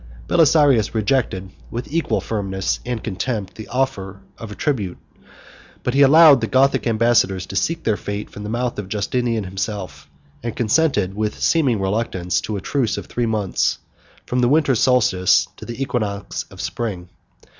Belisarius rejected with equal firmness and contempt the offer of a tribute; but he allowed the Gothic ambassadors to seek their fate from the mouth of Justinian himself; and consented, with seeming reluctance, to a truce of three months, from the winter solstice to the equinox of spring.